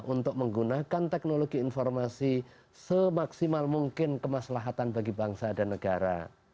untuk menggunakan teknologi informasi semaksimal mungkin kemaslahatan bagi bangsa dan negara